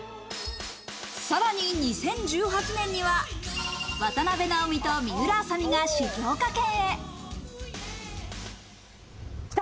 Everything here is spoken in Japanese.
さらに２０１８年には、渡辺直美と水卜麻美が静岡県へ。